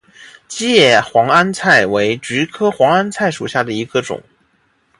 戟叶黄鹌菜为菊科黄鹌菜属下的一个种。